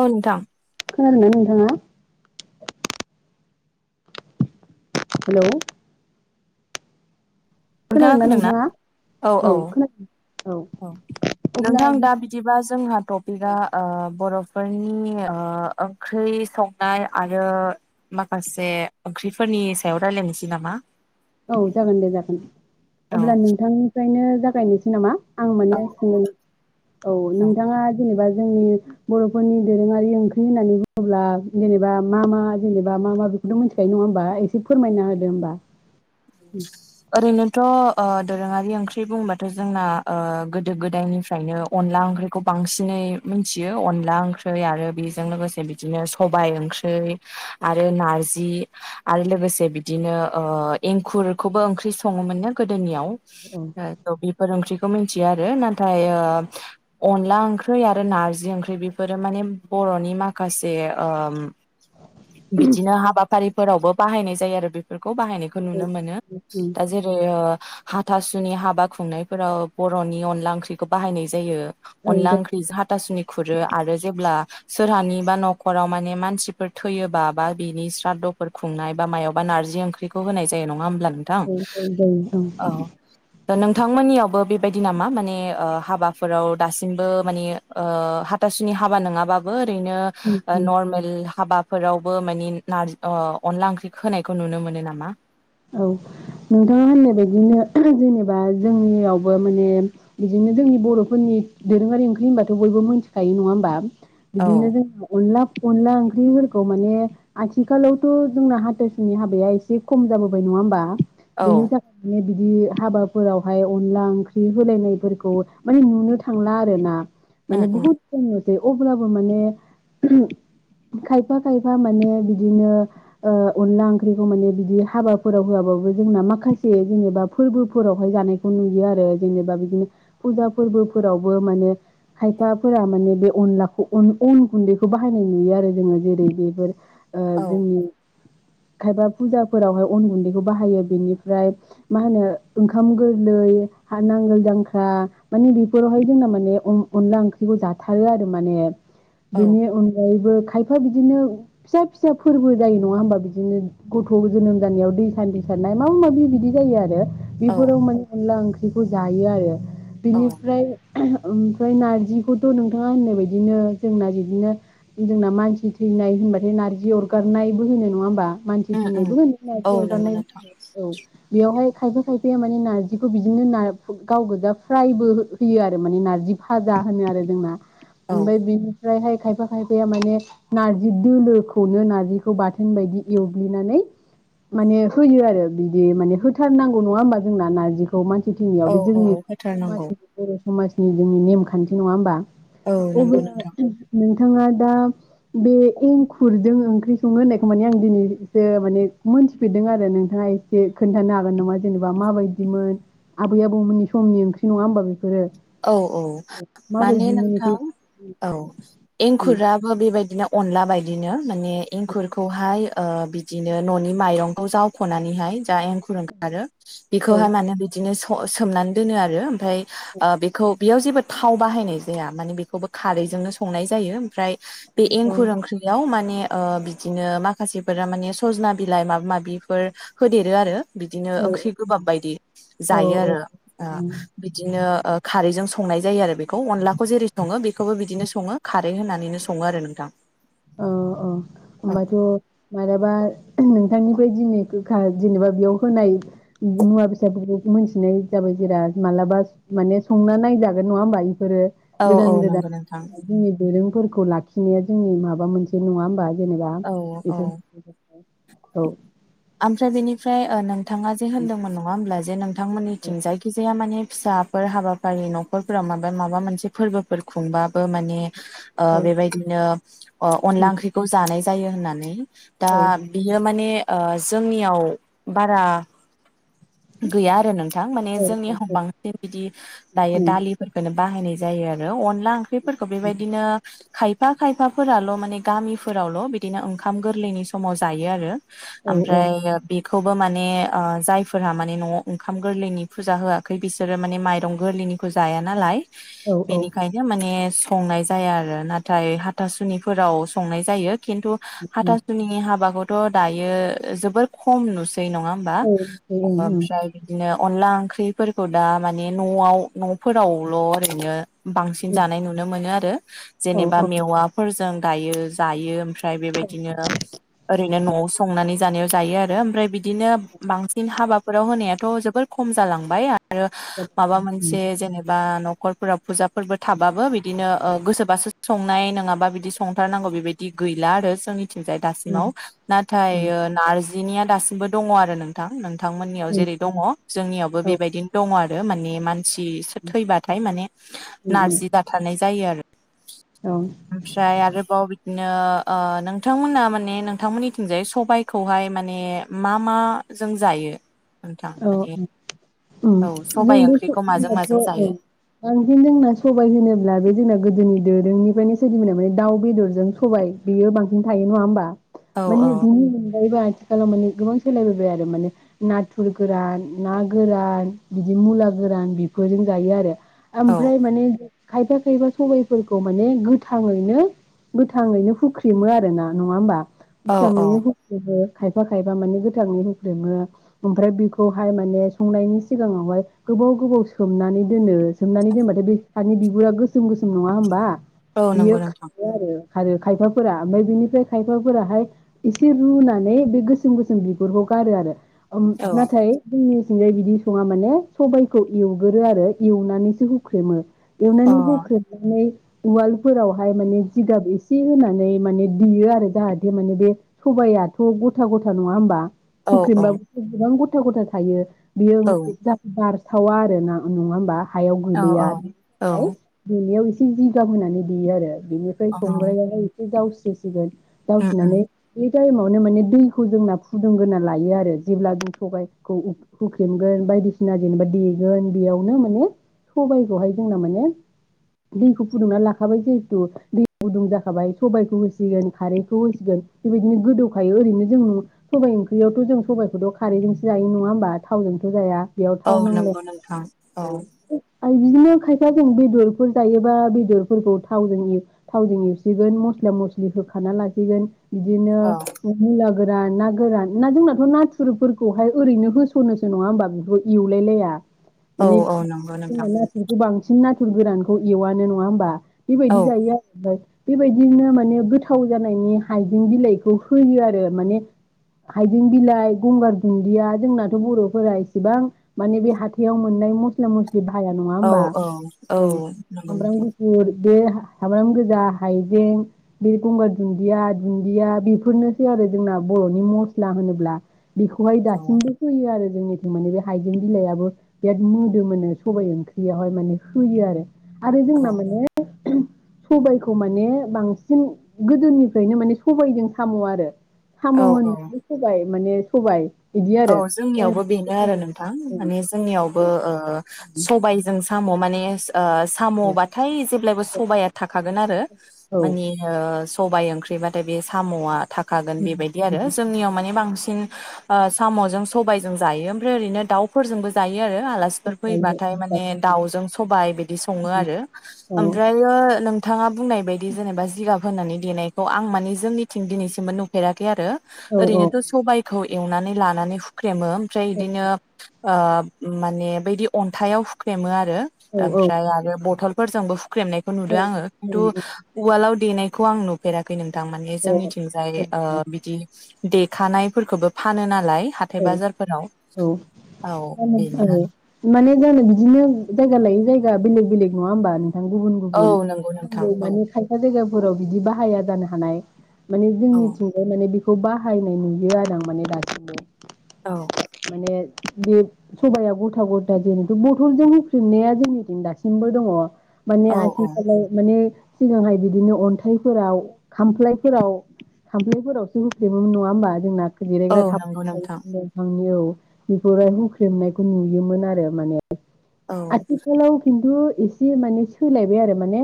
औ नोंथां। खोनादोंना नोंथाङा? हेलौ। खोनादोंना नोंथाङा? औ खोना औ नोंथां दा बिदिबा जोंहा टपिकआ ओ बर' फोरनि ओ ओंख्रि संनाय आरो माखासे ओंख्रिफोरनि सायाव रायलायनोसै नामा? औ जागोन दे जागोन। औ अब्ला नोंथां निफ्रायनो जागायनोसै नामा? आं औ माने सों औ औ नोंथाङा जेनेबा जोंनि बर'फोरनि दोरोङारि ओंख्रि होननानै बुङोब्ला जेनेबा मा मा जेनेबा मा मा बेखौथ' मिथिखायो नङा होमबा एसे फोरमायना होदो होमबा। ओरैनोथ' ओ दोरोङारि ओंख्रि बुंबाथ' जोंना ओ गोदो गोदायनिफ्रायनो अनला ओंख्रिखौ बांसिनै मिथियो अनला ओंख्रि आरो बेजों लोगोसे बिदिनो सबाय ओंख्रै आरो नारजि आरो लोगोसे बिदिनो ओ एंखुरखौबो ओंख्रि सङोमोननो गोदोनियाव औ बेफोर ओंख्रि मोनथियो आरो नाथाय ओ अनला ओंख्रै आरो नारजि ओंख्रै बेफोरो माने बर'नि माखासे ओम बिदिनो हाबाफारिफोरावबो बाहायनाय जायो आरो बेफोरखौ बाहायनाय औ नुनो मोनो। दा जेरै ओ हाथासुनि हाबा खुंनायफोराव बर'नि अनला ओंख्रिखौ बाहायनाय जायो। औ अनला जायो ओंख्रिजो हाथासुनि खुरो आरो जेब्ला सोरहानि बा न'खराव माने मानसिफोर थैयोबा बा बिनि स्रादफोर खुंनाय बा मायावबा नारजि ओंख्रि खौ होनाय जायो नङा होनब्ला? नोंथां औ औ जायो औ दा नोंथांमोननियावबो बि बायदि नामा माने ओ हाबाफोराव दासिमबो माने ओ हाथासुनि हाबा नङाबाबो ओरैनो ओ औ नरमेल हाबा फोरावबो मानि नार ओ अनला ओंख्रि होनायखौ नुनो मोनो नामा? मा? औ नोंथाङा होननाय बायदिनो जेनेबा जोंनियावबो माने बिदिनो जोंनि बर'फोरनि दोरोङारि ओंख्रि होनबाथ' बयबो मिथिखायो नङा होमबा? बिदिनो औ जोंहा अनला अनला ओंख्रिफोरखौ माने आथिखालावथ' जोंना हाथासुनि हाबाया एसे खम जाबो बाय नङा होमबा? औ बेनि थाखायनो बिदि हाबाफोरावहाय अनला ओंख्रि होलायनायफोरखौ माने नुनो थांला आरो ना। उम माने उम बहुत खम अब्लाबो माने खायफा खायफा माने बिदिनो अनला ओंख्रिखौ माने बि हाबा फोराव होआबाबो जोंना माखासे जेनेबा फोरबोफोरावहाय जानायखौ नुयो आरो जेनेबा बिदिनो फुजा फोरबोफोरावबो माने खायफाफोरा माने बे अनलाखौ अन गुन्दैखौ बाहायनाय नुयो आरो जोङो जेरै बेफोर औ जोंनि खायफा फुजाफोरावहाय अन गुन्दैखौ बाहायो बेनिफ्राय मा होनो ओंखाम गोरलै नांगोल दांख्रा माने बेफोरावहाय जोंना माने अनला ओंख्रिखौ जाथारो आरो माने। औ बेनि अनगायैबो खायफा बिदिनो फिसा फिसा फोरबो जायो नङा हबा बिदिनो गथ' जोनोम जानायाव दै सान्ति सारनाय माबा माबि बिदि जायो आरो। औ बेफोराव माने अनला ओंख्रिखौ जा हायो आरो। बिनिफ्राय ओमफ्राय नार्जिखौथ' नोंथाङा होननाय बदिनो जोंना बिदिनो जोंना मानसि थैनाय होनबाथाय नार्जि अरगारनायबो होनो नङा होनबा? मानसि उम उम थंनायबो होन औ नंगौ र नोंथां औ बेयाव बहाय खायफा खायफै माने नारजिखौ बिदिनो गाव गोजा फ्रायबो होयो आरो माने नार्जि फाजा होनो आरो जोंना औ ओमफ्राय बिनिफ्रायहाय खायफा खायफाया माने नारजि दोलोखौनो नारजिखौ बाथोन बायदि एवग्लिनानै माने होयो आरो बिदि माने होथारनांगौ नङा होमबा जोंना नारजि मानसि थैनियाव औ बे औ जोंनि होथारनांगौ समाजनि बर' समाजनि जोंनि नेमखान्थि नङा होमबा औ अबो नंगौ नोंथां [inaudible] बिथाङा दा बे एंखुरजों ओंख्रि सङो होननायखौ माने आं दिनैसो माने मोनथिफेरदों आरो नोंथाङा एसे खोन्थानो हागोन नामा जेनेबा माबायदिमोन आबै आबौमोननि समनि ओंख्रि नङा होमबा बेफोरो औ औ माने माबायदिमोन नोंथां बेखौ औ एंखुराबो बेबायदिनो अनला बायदिनो माने एंखुरखौहाय बिदिनो न'नि माइरंखौ जावख'नानैहाय जा एंखुर ओंखारो औ बेखौहाय माने बिदिनो सोमनानै दोनो आरो ओमफ्राय बेखौ बेयाव जेबो थाव बाहायनाय जाया मानिे बेखौबो खारैजोंनो संनाय जायो ओमफ्राय बे अ एंखुर ओंख्रियाव माने बिदिनो माखासेफोरा माने सजना बिलाइ माबा माबिफोर होदेरो आरो बिदिनो औ ओंख्रि गोबाब बायदि औ जायो आरो बिदिनो खारैजों संनाय जायो आरो अनलाखौ जेरै संओ खौबो बिदिनो सङो खार खारै होनानैनो सङो आरो नोंथां औ औ औ होनोमबाथ' माबलाबा नों बिथांनिफ्राय दिनै गोखा जेनेबा बेयाव होनाय मुवा बेसादफोरखौ मिथिनाय जाबाय जेरा मालाबा माने संना नायजागोन नङा होमबा औ औ गोदान गोदान नंगौ नोंथां जोंनि दफोरखौ खौ लाखिनाया जोंनि माबा माबा मोनसे नङा होनबा जेनेबा औ औ बेफोर औ ओमफ्राय बेनिफ्राय न बिथाङा जे होनदोंमोन नङा होमब्ला जेन बिथांमोननिथिं जायखिजाया माने फिसाफोर हाबाफारि न'खरफोराव माबा माबा मोनसे फोरबोफोर खुंबाबो माने औ बेबायदिनो अनला ओंख्रिखौ जानाय जायो होननानै दा औ बियो माने जोंनियाव बारा गैया आरो नोंथां माने औ जोंनियाव बांसिन बिदि दायो दालिफोरफोरखौनो बाहायनाय जायो आरो अनला ओंख्रि फोरखौ बेबायदिनो खायफा खायफाफोराल' माने गामिफोरावल' बिदिनो ओंखाम गोरलैनि समाव जायो आरो औ ओमफ्राय बि खौबो माने जायफोरहा माने न'आव ओंखाम गोरलैनि फुजा होआखै बिसोरो माने माइरं गोरलैनिखौ जाया नालाय औ औ बेनिखायदि माने संनाय जाया आरो नाथाय हाथासुनिफोराव संनाय जायो। खिन्थु हाथासुनि हाबागद थ' दायो जोबोर खम नुसै दै नङा होमबा ओमफ्राय बिदिनो अनला ओंख्रिफोरखौ दा माने न'आव न'फोरावल' ओरैनो बांसिन जानाय नुनो मोनो आरो जेनेबा मेवाफोरजों गायो जायो ओम आमफ्राय बेबायदिनो ओरैनो न'आव संनानै जानायाव जायो आरो ओमफ्राय बिद दिनो बांसिन हाबा फोराव होनायाथ' जोबोर खम जालांबाय आरो आरो माबा मोनसे जेनेबा न'ख न'खरफोराव फुजाफोरबो थाबाबो बिदिनो गोसोबासो संनाय नङाबा बिदि संथारनांगौ बेबायदि गैला आरो जोंनि जोंनि थिंजाय दासिमाव नाथाय जिनिया दासिमबो दङ आरो नोंथां नोंथांमोननियाव जेरै दङ जोंनियावबो औ बेबायदिनो दङ आरो माने मानसि सो थैबाथाय माने उम उम नारजि जाथारनाय जायो आरो औ आमफ्राय आरोबाव बिदिनो ओ नोंथांमोना माने नोंथांमोननिथिंजाय सबाय खौहाय माने मा मा जों जायो नोंथां औ औ माने जों औ सबाय बे ओंख्रिखौ माजों जोंनाथ' माजों जायो औ जोंना सबाय होनोब्ला बे जोंना गोदोनि दो नोंनिफ्रायनो सोरोजिबोनाय माने दाउ बेदरजों सबाय बेयो बांसिन थायो नङा होमबा औ माने औ बिनि अनगायैबो आथिखालाव माने गोबां सोलायबोबाय आरो माने नाथ गुफुर गोरान ना गोरान बिदि मुला गोरान बेफोरजों जायो आरो औ ओमफ्राय माने खायफा खायफा सबायफोरखौ माने गोथाङैनो गोथाङैनो हुख्रिमो आरो ना नङा होमबा औ औ गोथाङैनो हुख्रेमो खायफा खायफा माने गोथाङै हुख्रेमो ओमफ्राय बेखौहाय माने संनायनि सिगाङावहाय गोबाव गोबाव सोमनानै दोनो सोमनानै दोनबाथाय बे सानि बिगुरा गोसोम गोसोम नङा होमबा औ बियो नंगौ नोंथां खारो आरो खारो खायफाफोरा ओमफ्राय बेनिफ्राय खायफाफोराहाय एसे रुनानै बे गोसोम गोसोम बिगुरखौ गारो आरो औ नाथाय जोंनि थिंजाय बिदि सङा माने सबायखौ एवगोरो आरो एवनानैसो हुख्रेमो अ एवनानै हुख्रेमनानै उवालफोरावहाय माने जिगाब एसे होनानै माने देयो आरो जाहाथे माने बे सबाइआथ गथा गथा नङा होमबा औ औ हुख्रेमबाबो गोबां गथा गथा थायो बियो औ बार थाव आरो ना नङा होनबा हायाव औ गैलैया औ बिनिफ्राय बेनियाव इसे एसे जिगाब होनानै देयो आरो बिनिफ्राय अ संग्रायावबो एसे जावस्रो [unintelligible] उम उम जावस्रोनानै टाइमावनो माने दैखौ जोंना फुदुंग्रोना लायो आरो। जेब्ला जों सबायखौ हुख्रेमगोन बायदिसिना जेनेबा देगोन बेयावनो माने सबाइखौहाय जोंना माने दैखौ फुदुंनानै लाखाबाय जिहेथु दै गुदुं जाखाबाय सबाइखौ होसिगोन खारैखौ होसिगोन बेबायदिनो गोदौखायो ओरैनो जों सबाइ ओंख्रियावथ जों सबाइ खौथ खारैजोंसो जायो नङा होमबा थावजोंथ जाया। बेयाव औ थाव नंगौ नोंथां औ नांलाया बिदिनो खायफा जों बेदरफोर जायोबा बेदरफोरखौ थावजों थावजों एवसिगोन मस्ला मस्लि होखाना लासिगोन बिदिनो औ [unintelligible] गोरान ना गोरान ना जोंनाथ' नाथुर रुपफोरखौहाय ओरैनो होस'नोसो नङा होमबा बेखौ एवलायलाया? औ माने औ नंगौ जोंना नोंथां नाथुरखो बांसिन [unintelligible] गोरानखौ एवानो नङा होमबा? औ बेबायदि जायो आरो [unintelligible] बेबायदिनो माने गोथाव जानायनि हाइजें बिलाइखौ होयो आरो, माने हाइजें बिलाइ गंगार दुन्दिया जोंनाथ बरफोरा इसेबां माने बे हाथायाव मोननाय मस्ला मस्लि बिदि [unintelligible] नङा औ होमबा? औ औ नंगौ सामब्राम नोंथां गुफुर, बे सामब्राम गोजा हाइजें बे गंगार दुन्दिया दुन्दिया बेफोरनोसै आरो जोंना बरनि मस्ला होनोब्ला। बेखौहाय औ दासिमबो होयो आरो। जोंनिथिं माने बे हाइजें बिलाइआबो, बिराद मोदोमोनो सबाइ ओंख्रियावहाय माने होयो आरो। आरो औ जोंना माने। सबाइखौ माने बांसिन गोदोनिफ्रायनो माने सबाइजों साम आरो। साम [unintelligible] औ औ माने। सबाइ। औ जोंनियावबो बेनो आरो नोंथां माने जोंनियावबो सबायजों [unintelligible] माने साम बाथाय जेब्लायबो सबाइआ थाखा गोन आरो। माने ओ सबाइ ओंख्रिबाथाय बे सामआ थाखा गोन औ बेबायदि आरो जोंनियाव माने बांसिन [unintelligible] साम'जों सबायजों जायो ओमफ्राय ओरैनो दाउफोरजोंबो जायो आरो। आलासिफोर फैबाथाय माने दाावजों सबाइ बिदि सङो आरो औ ओमफ्रायो नों थां बुंनाय बायदि जेनेबा जिगाब होननानै देनायखौ आं माने जोंनिथिं दिनैसिमबो नुफेराखै आरो। औ औ ओरैनोथ' सबाइ खौ एवनानै ला लानै हुख क्रेमो ओमफ्राय औ इदिनो ओ माने बैदि अन्थाइयाव हुख्रेमो आर रो ओमफ्राय आरो बथल फोरजोंबो हुख ख्रेमनायखो औ नुदो आङो खिन्थु उवालाव देनायखौ आं नुफेराखै नों थां माने औ जोंनिथिंजाय ओ बिदि देखानायफोरखोबो फानो नालाय हाथाय औ बाजारफोराव औ औ बेनो औ आरो माने जानो बिदिनो जायगा लायै जायगा बेलेग बेलेग नङा होमब नों गुबुन औ गुबुन नंगौ नोंथां औ [unintelligible] खायफा जायगायाव फोराव बिदि बाहाया जानो हानाय माने औ जोंनिथिंजाय माने बिब खौ बाहायनाय नुयो आरो आं माने दासिमबो औ माने बे सबाइया गथा गथा जेनथु बथलजों होख्रेबनाया जोंनिथिं दासिमबो दङ। माने औ औ आथिखालाव माने सिगांहाय बिदिनो अन्थाइफोराव खामफ्लायफोराव खामफ्लायफोरावसो हुख्रेमोमोन नङा होमबा जोंना औ नंगौ नोंथां आंनियाव बेखौहाय हुख्रेमनायखो नुयोमोन आरो माने औ आथिखालाव खिन थु एसे माने सोलायबाय आरो माने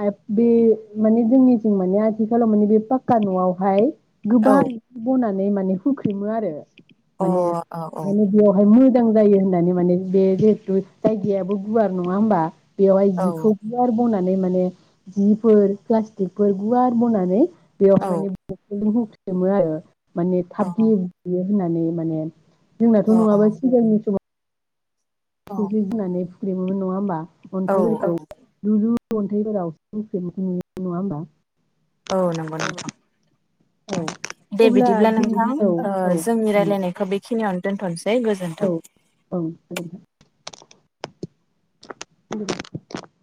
पाइफ बे माने जोंनिथिं माने आथिखालाव माने बे पाक्का न'आवहाय औ गोबा हिखो बनानै माने माने हुख्रेमो आरो अ औ माने औ माने बेयावहाय मो जां जायो होननानै माने बे जिहेतुत जायगायाबो गुवार नङा होमबा बेवहाय औ जिखौ गुवार बनान माने माने जिफोर पष्टिकफोर गुवार बनानै बेवहाय अ माने [unintelligible] सोमोआरो। माने थाब गेब्लेयो। होननानै माने। जोंनाथ' अ नङाबा सिगांनि समाव। अ फुरि होननानै। बेनोमोन नङा होनोमबा। औ अन्थाइफोरखौ औ लुु-लु। अन्थाइफोराव [unintelligible] नुयो नङा होनोमबा औ नंगौ नोंथां औ दे अब्ला बिदिब्ला जों नोंथां औ ओ जोंनि औ रायलायनायखौ बेखिनियावनो दोनथ'नोसै। गोजोन्थों औ ओं गोजोनथों [unintelligible]